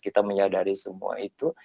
kita menyadari semua itu